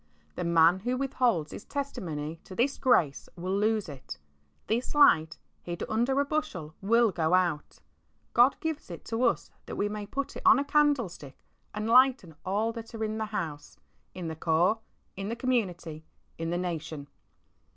The man who withholds his testimony to this grace will lose it. This light, hid under a bushel, will go out. God gives it to us that we may put it on a candle stick and lighten all that are in the house, in the Corps, in the community, in the nation.